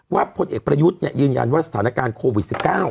พลเอกประยุทธ์ยืนยันว่าสถานการณ์โควิด๑๙